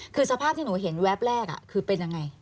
คือสภาพที่หนูเห็นแวบแรกคือเป็นยังไง